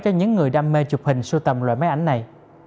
cho những người đam mê chụp hình sưu tầm loại máy ảnh này